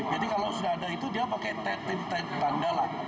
jadi kalau sudah ada itu dia pakai tet tet tanda lah